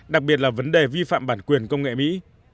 đặc biệt là vấn đề vi phạm bản quyền công nghệ mỹ